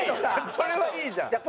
これはいいじゃん。